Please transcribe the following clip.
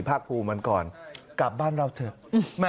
ภาคภูมิวันก่อนกลับบ้านเราเถอะ